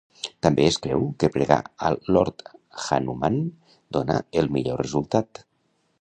També es creu que pregar a Lord Hanuman dona el millor resultat.